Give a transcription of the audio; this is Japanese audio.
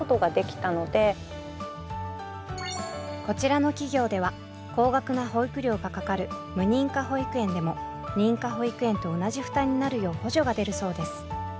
こちらの企業では高額な保育料がかかる無認可保育園でも認可保育園と同じ負担になるよう補助が出るそうです。